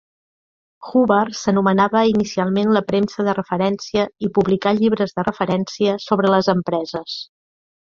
Hoover s'anomenava inicialment la premsa de referència i publicà llibres de referència sobre les empreses.